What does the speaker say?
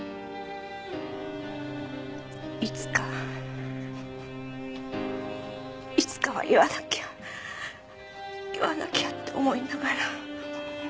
いつかいつかは言わなきゃ言わなきゃって思いながら。